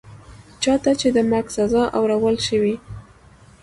چا ته چي د مرګ سزا اورول شوې